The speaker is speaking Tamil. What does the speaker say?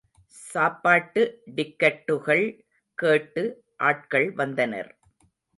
சாப்பாட்டு டிக்கட்டுகள் கேட்டு, ஆட்கள் வந்தனர்.